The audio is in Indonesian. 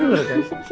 ya bener kan